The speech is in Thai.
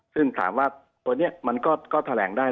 ซึ่งถามว่าตัวนี้มันก็แถลงได้